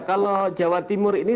kalau jawa timur ini